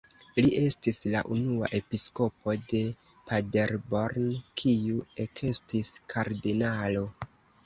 Li estis la unua episkopo de Paderborn kiu ekestis kardinalo.